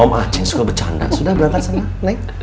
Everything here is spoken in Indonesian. om aceh suka bercanda sudah berangkat sana naik